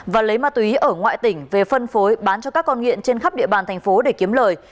và lấy ma túy ở ngoại tỉnh về phân phối bán cho các con nghiện trên khắp địa bàn thành phố để kiếm lời